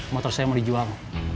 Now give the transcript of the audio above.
motor saya mau dijual